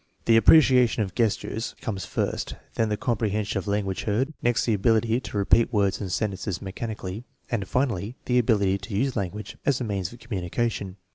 The appreciation of gestures comes first, then the comprehension of language heard, next the ability to repeat words and sentences mechanically, and finally the ability to use language as a means of communica tion.